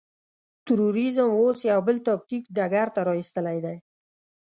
تروريزم اوس يو بل تاکتيک ډګر ته را اېستلی دی.